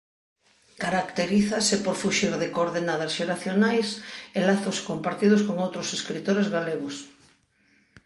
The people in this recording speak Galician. Caracterízase por fuxir de coordenadas xeracionais e lazos compartidos con outros escritores galegos.